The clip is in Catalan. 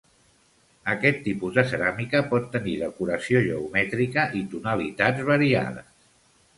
Aquest tipus de ceràmica pot tenir decoració geomètrica i tonalitats variades.